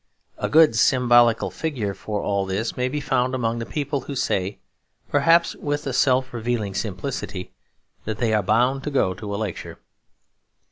A good symbolical figure for all this may be found among the people who say, perhaps with a self revealing simplicity, that they are bound to go to a lecture.